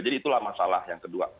jadi itulah masalah yang kedua